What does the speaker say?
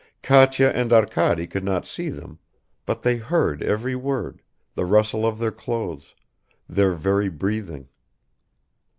Katya and Arkady could not see them, but they heard every word, the rustle of their clothes, their very breathing.